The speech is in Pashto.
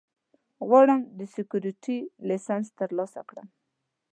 غواړم د سیکیورټي لېسنس ترلاسه کړم